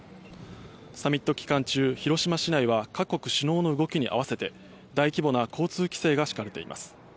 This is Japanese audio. サミット期間中、広島市内は各国首脳の動きに合わせて大規模な交通規制が敷かれています。